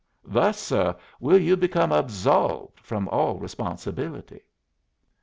Thus, suh, will you become absolved from all responsibility."